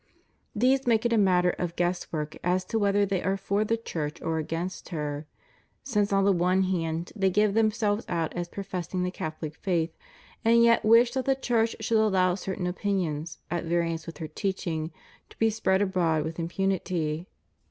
These make it a matter of guess work as to whether they are for the Church or against her; since on the one hand they give themselves out as professing the Catholic faith, and yet wish that the Church should allow certain opinions, at variance with her teach ing, to be spread abroad with impunity.